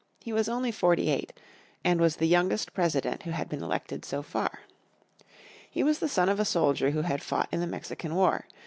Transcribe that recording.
He was only forty eight, and was the youngest President who had been elected so far. He was the son of a soldier who had fought in the Mexican War.